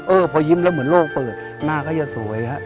พอยิ้มแล้วเหมือนโลกเปิดหน้าเขาจะสวยฮะ